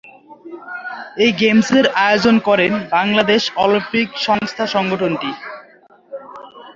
এই গেমসের আয়োজন করেন বাংলাদেশ অলিম্পিক সংস্থা সংগঠনটি।